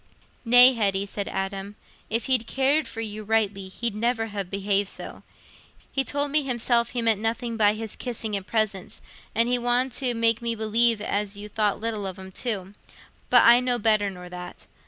"Nay, Hetty," said Adam, "if he'd cared for you rightly, he'd never ha' behaved so. He told me himself he meant nothing by his kissing and presents, and he wanted to make me believe as you thought light of 'em too. But I know better nor that.